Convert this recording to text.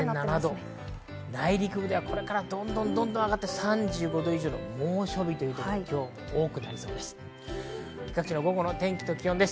内陸部ではこれからどんどん上がって３５度以上の猛暑日というところも多くなりそうです。